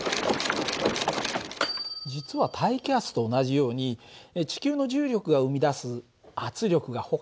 実は大気圧と同じように地球の重力が生み出す圧力がほかにもあるんだよね。